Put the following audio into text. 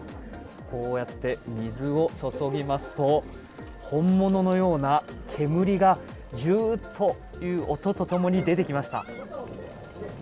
こうやって、水を注ぎますと本物のような煙がジューッという音と共に出てきました。